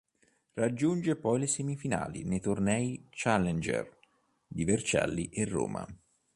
Raggiunge poi le semifinali nei tornei Challenger di Vercelli e Roma.